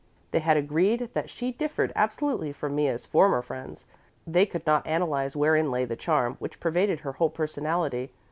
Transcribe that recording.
They had agreed that she differed absolutely from Mea's former friends. They could not analyze wherein lay the charm which pervaded her whole personality.